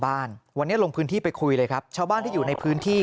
บ้านวันนี้ลงพื้นที่ไปคุยเลยครับชาวบ้านที่อยู่ในพื้นที่